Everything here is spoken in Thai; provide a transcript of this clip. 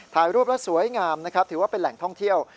ถ่ายรูปแล้วสวยงามนะครับถือว่าเป็นแหล่งท่องเที่ยว